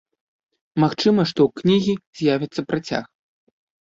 Магчыма, што ў кнігі з'явіцца працяг.